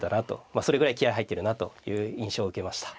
まあそれぐらい気合い入ってるなという印象を受けました。